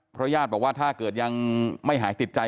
ญาติบอกว่าถ้าเกิดยังไม่หายติดใจ